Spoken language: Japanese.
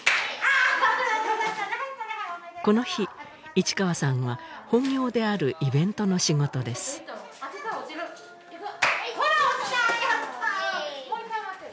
あーこの日市川さんは本業であるイベントの仕事ですほら落ちたやった！